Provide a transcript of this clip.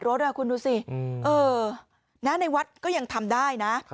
รถคุณดูสิณในวัดก็ยังทำได้นะ